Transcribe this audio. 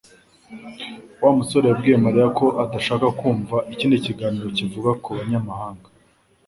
Wa musore yabwiye Mariya ko adashaka kumva ikindi kiganiro kivuga ku banyamahanga